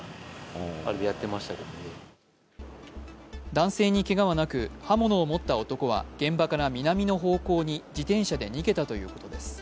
男性にけがはなく、刃物を持った男は現場から南の方向に自転車で逃げたということです。